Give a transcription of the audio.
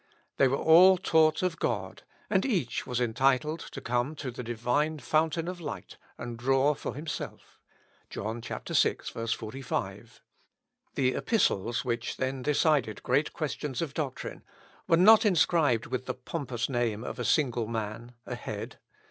They were all taught of God, and each was entitled to come to the Divine fountain of light, and draw for himself. (John, vi, 45.) The Epistles, which then decided great questions of doctrine, were not inscribed with the pompous name of a single man a head.